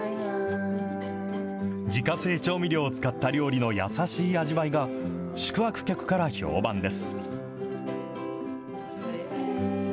自家製調味料を使った料理の優しい味わいが、宿泊客から評判です。